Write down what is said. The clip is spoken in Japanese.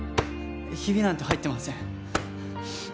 ヒビなんて入ってません。